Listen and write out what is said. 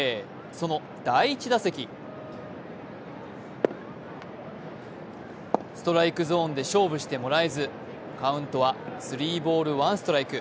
その第１打席、ストライクゾーンで勝負してもらえず、カウントはスリーボール１ストライク。